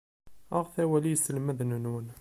Aɣet awal i yiselmaden-nwen.